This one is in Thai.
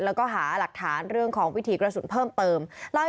แล้วก็หาหลักฐานเรื่องของวิถีกระสุนเพิ่มเติม